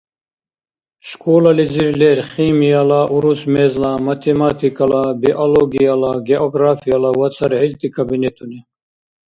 Школализир лер химияла, урус мезла, математикала, биологияла, географияла ва цархӏилти кабинетуни.